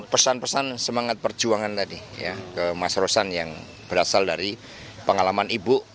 pesan pesan semangat perjuangan tadi ya ke mas rosan yang berasal dari pengalaman ibu